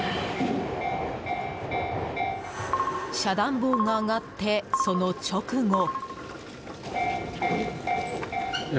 遮断棒が上がって、その直後。